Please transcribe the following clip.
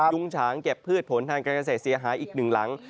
ยุงฉางเก็บพืชผลทางการเกษตรเสียหายอีกหนึ่งหลัง